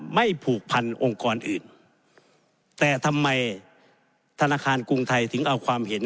ผูกพันองค์กรอื่นแต่ทำไมธนาคารกรุงไทยถึงเอาความเห็น